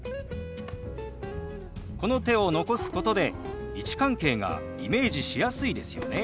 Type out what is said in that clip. この手を残すことで位置関係がイメージしやすいですよね。